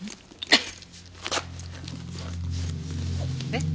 えっ？